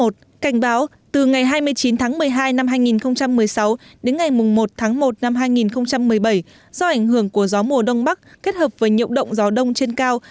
cảnh báo từ ngày hai mươi chín tháng một mươi hai năm hai nghìn một mươi sáu đến ngày một tháng một năm hai nghìn một mươi bảy do ảnh hưởng của gió mùa đông bắc kết hợp với nhiễu động gió đông trên cao